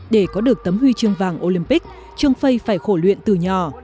để có được tấm huy chương vàng olympic trương phây phải khổ luyện từ nhỏ